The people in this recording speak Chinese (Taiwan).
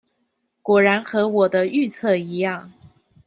果然和我的預測一樣